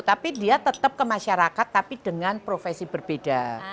tapi dia tetap ke masyarakat tapi dengan profesi berbeda